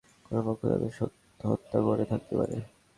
সম্ভবত ভাগ-বাঁটোয়ারা নিয়ে অন্য কোনো পক্ষ তাঁদের হত্যা করে থাকতে পারে।